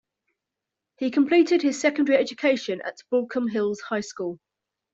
He completed his secondary education at Baulkham Hills High School.